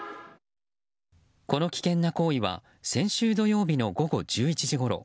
この危険な行為は先週土曜日の午後１１時ごろ